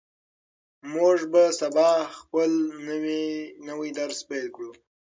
موږ به سبا خپل نوی درس پیل کړو.